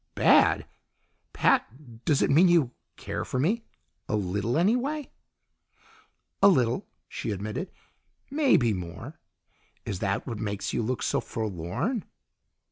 "Bad! Pat, does it mean you care for me? A little, anyway?" "A little," she admitted. "Maybe more. Is that what makes you look so forlorn?"